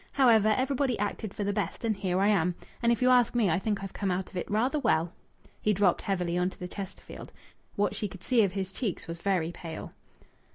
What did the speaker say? However, everybody acted for the best, and here I am. And if you ask me, I think I've come out of it rather well." He dropped heavily on to the Chesterfield. What she could see of his cheeks was very pale.